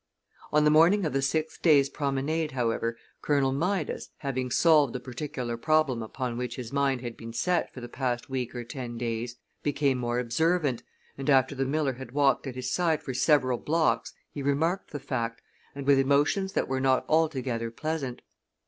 On the morning of the sixth day's promenade, however, Colonel Midas, having solved the particular problem upon which his mind had been set for the past week or ten days, became more observant, and, after the miller had walked at his side for several blocks, he remarked the fact, and with emotions that were not altogether pleasant.